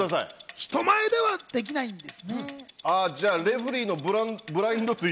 人前ではできないんです。